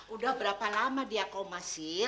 udah berapa lama dia koma syl